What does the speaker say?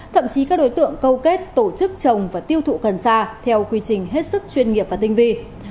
thậm chí các đối tượng câu kết tổ chức trồng và tiêu thụ cần sa theo quy trình hết sức chuyên nghiệp và tinh vi